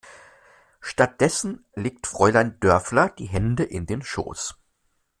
Stattdessen legt Fräulein Dörfler die Hände in den Schoß.